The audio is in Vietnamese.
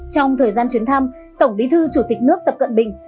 trong thời gian chuyến thăm tổng bí thư chủ tịch nước tập cận bình